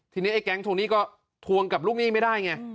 ทีนี้ไอ้แก๊งทวงหนี้ก็ทวงกับลูกหนี้ไม่ได้ไง